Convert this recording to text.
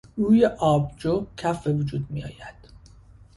روی آبجو کف به وجود میآید.